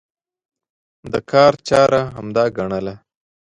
د کار چاره همدا ګڼله.